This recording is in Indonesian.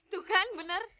tuh kan benar